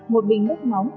một bình nước nóng